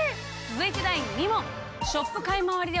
続いて第２問！